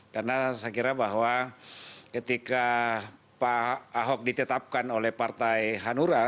karena saya kira bahwa ketika pak ahok ditetapkan oleh partai hanura